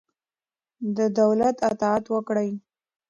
د دولت اطاعت وکړئ.